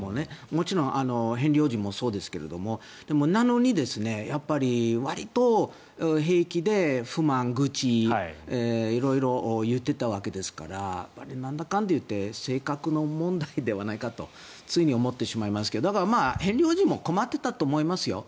もちろんヘンリー王子もそうですがでも、なのにわりと平気で不満、愚痴色々言っていたわけですからなんだかんだいって性格の問題ではないかとつい思ってしまいますがだから、ヘンリー王子も困っていたと思いますよ。